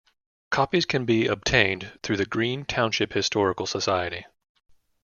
Copies can be obtained through the Green Township Historical Society.